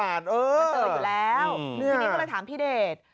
เออน่าเติบอยู่แล้วทีนี้ก็เลยถามพี่เดชน์